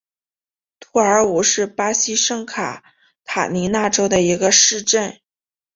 图尔武是巴西圣卡塔琳娜州的一个市镇。